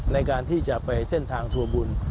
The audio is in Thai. ในการที่จะไปเส้นทางทัวร์บุญ